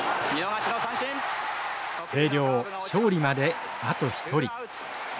星稜勝利まであと１人。